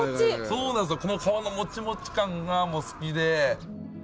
そうなんですよ皮のモチモチ感がもう好きで。